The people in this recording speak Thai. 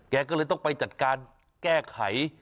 แกก็เลยต้องไปจัดการแก้ไข